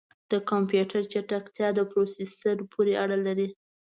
د کمپیوټر چټکتیا د پروسیسر پورې اړه لري.